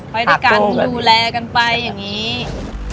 ไปด้วยกันดูแลกันไปอย่างนี้